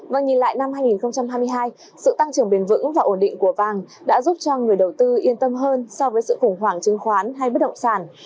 và nhìn lại năm hai nghìn hai mươi hai sự tăng trưởng bền vững và ổn định của vàng đã giúp cho người đầu tư yên tâm hơn so với sự khủng hoảng chứng khoán hay bất động sản